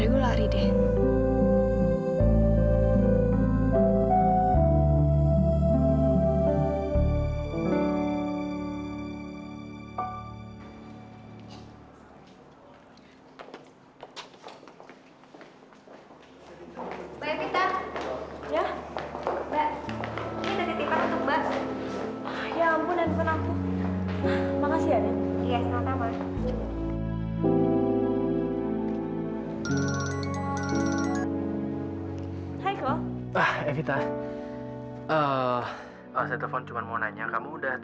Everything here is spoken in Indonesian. akhirnya gue lari deh